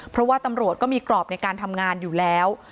เพราะว่าตำรวจก็มีกรอบในการทำงานอยู่แล้ว